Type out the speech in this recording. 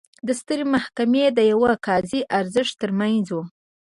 د سترې محکمې د یوه قاضي ارزښت ترمنځ و.